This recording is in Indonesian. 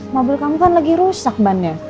mobil kamu kan lagi rusak bannya